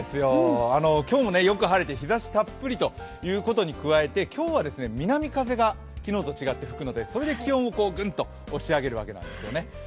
今日もよく晴れて日ざしたっぷりということに加えて今日は南風が昨日と違って吹くので、それで気温をグンと押し上げるわけですね。